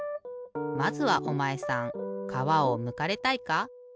まずはおまえさんかわをむかれたいか？